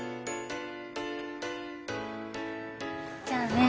じゃあね。